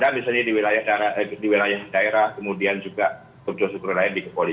dan bisa di wilayah daerah kemudian juga berjual jual ke wilayah di kapolri